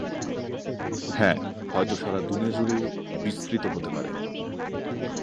হ্যাঁ, হয়তো সারা দুনিয়া জুড়েও বিস্তৃত হতে পারে!